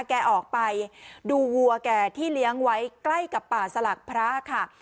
แกออกไปดูวัวแกที่เลี้ยงไว้ใกล้กับป่าสลักพระค่ะ